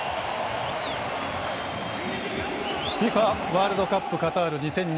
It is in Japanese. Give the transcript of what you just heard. ＦＩＦＡワールドカップカタール２０２２１